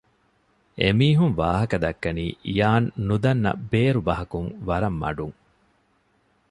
އެމީހުން ވާހަކަދައްކަނީ އިޔާން ނުދަންނަ ބޭރު ބަހަކުން ވަރަށް މަޑުން